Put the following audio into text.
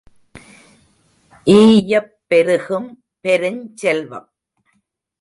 ஈயப் பெருகும் பெருஞ் செல்வம்.